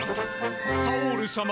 タオール様